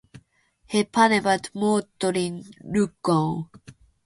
He panevat moottorin lukkoon.